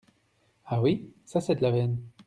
Ah ! oui !… ça c’est de la veine !